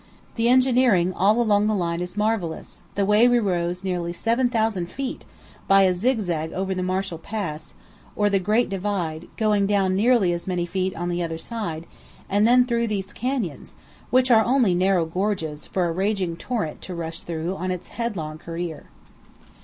The engineering all along the line is marvellous, the way we rose nearly 7,000 feet by a zigzag over the Marshall Pass, or the Great Divide, going down nearly as many feet on the other side and then through these canyons, which are only narrow gorges for a raging torrent to rush through on its headlong career.